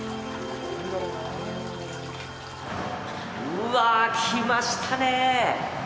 うわ、来ましたね。